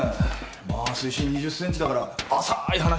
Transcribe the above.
まあ水深２０センチだから浅い話だろうね。